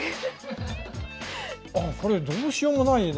これどうしようもないね